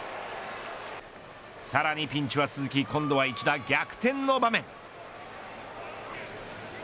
さらにピンチは続き今度は、一打逆転の場面。